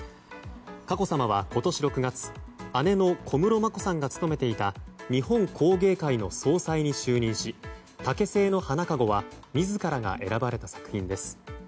佳子さまは、今年６月姉の小室眞子さんが務めていた日本工芸会の総裁に就任し竹製の花かごは自らが選ばれた作品です。